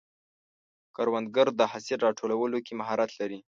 کروندګر د حاصل راټولولو کې مهارت لري